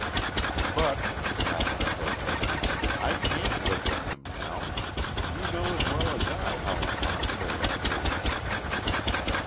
"But," Kathryn protested. "I can't live with him, Nell! You know as well as I how impossible that is."